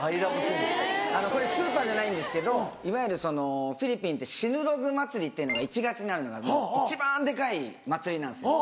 スーパーじゃないんですけどいわゆるそのフィリピンってシヌログ祭りっていうのが１月にあるのが一番デカい祭りなんです。